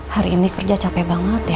hari ini kerja capek banget ya